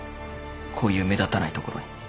こういう目立たない所に。